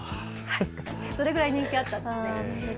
それぐらい人気あったんですね。